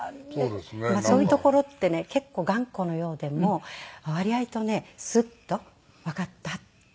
そういうところってね結構頑固のようでも割合とねスッとわかったって言って。